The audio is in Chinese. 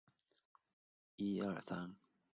附近有圣昂布鲁瓦地铁站。